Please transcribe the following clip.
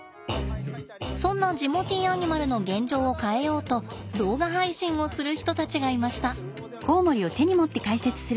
そんなジモティーアニマルの現状を変えようと動画配信をする人たちがいました。